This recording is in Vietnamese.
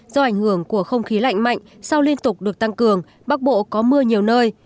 do ảnh hưởng của không khí lạnh mạnh sau liên tục được tăng cường bắc bộ có mưa nhiều nơi